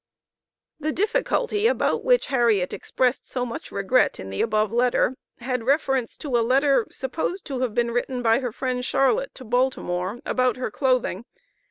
The "difficulty" about which Harriet expressed so much regret in the above letter, had reference to a letter supposed to have been written by her friend Charlotte to Baltimore, about her clothing.